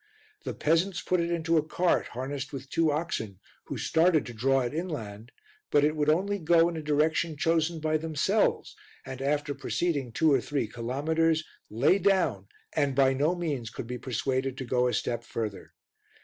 The peasants put it into a cart harnessed with two oxen who started to draw it inland, but would only go in a direction chosen by themselves and, after proceeding two or three kilometres, lay down and by no means could be persuaded to go a step further.